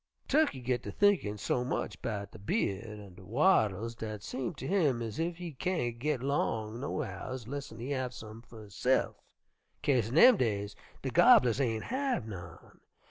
"Tukkey git ter thinkin' so much 'bout de by'ud an' de wattles dat seem ter him ez ef he kain't git long no hows lessen he have some fer hisse'f, 'kase in dem days de gobblers ain' have none.